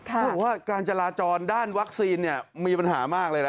เขาบอกว่าการจราจรด้านวัคซีนมีปัญหามากเลยนะ